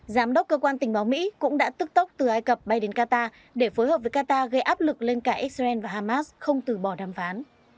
giám đốc cơ quan tình báo mỹ cũng đã tức tốc từ ai cập bay đến qatar để phối hợp với qatar gây áp lực lên cả israel và hamas không từ bỏ đàm phán